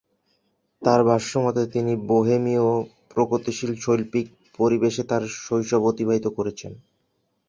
তাঁর ভাষ্যমতে তিনি বোহেমীয় প্রগতিশীল শৈল্পিক পরিবেশে তাঁর শৈশব অতিবাহিত করেছেন।